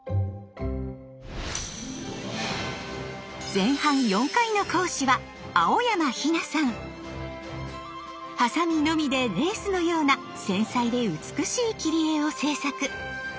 前半４回の講師はハサミのみでレースのような繊細で美しい切り絵を制作。